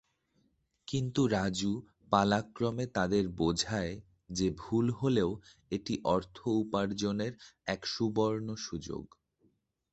কিন্তু রাজু পালাক্রমে তাদের বোঝায় যে ভুল হলেও, এটি অর্থ উপার্জনের এক সুবর্ণ সুযোগ।